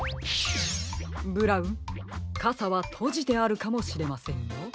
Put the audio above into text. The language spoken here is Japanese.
ブラウンかさはとじてあるかもしれませんよ。